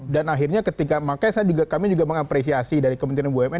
dan akhirnya ketika makanya kami juga mengapresiasi dari kementerian bumn